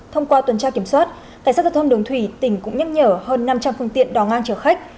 thông qua tuần tra kiểm soát cảnh sát giao thông đường thủy tỉnh cũng nhắc nhở hơn năm trăm linh phương tiện đò ngang chở khách